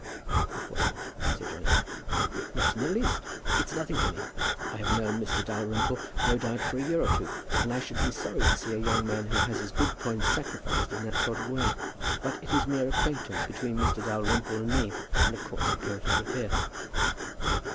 "Of course not," said Johnny. "Not in the least. It's nothing to me. I have known Mr. Dalrymple, no doubt, for a year or two, and I should be sorry to see a young man who has his good points sacrificed in that sort of way. But it is mere acquaintance between Mr. Dalrymple and me, and of course I cannot interfere."